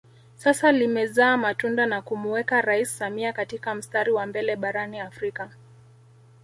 Sasa limezaa matunda na kumuweka rais Samia katika mstari wa mbele barani Afrika